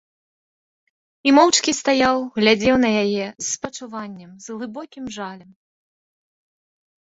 І моўчкі стаяў, глядзеў на яе з спачуваннем, з глыбокім жалем.